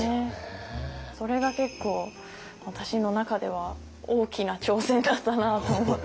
それが結構私の中では大きな挑戦だったなと思って。